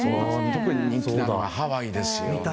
特に人気なのがハワイですね。